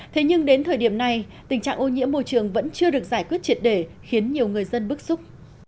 thế nhưng đến thời điểm này tình trạng ô nhiễm môi trường vẫn chưa được giải quyết triệt để khiến nhiều người dân bức xúc